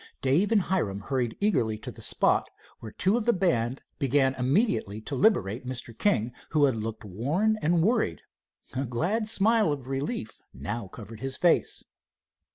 Dave and Hiram hurried eagerly to the spot where two of the band began immediately to liberate Mr. King, who had looked worn and worried. A glad smile of relief now covered his face.